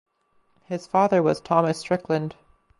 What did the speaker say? His father was Thomas Strickland.